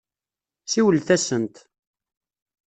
Siwlet-asent.